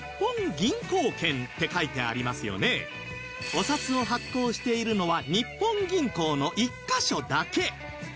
お札を発行しているのは日本銀行の１カ所だけ